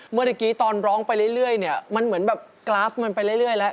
เมื่อกี้ตอนร้องไปเรื่อยเนี่ยมันเหมือนแบบกราฟมันไปเรื่อยแล้ว